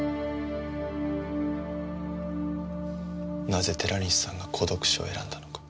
なぜ寺西さんが孤独死を選んだのか。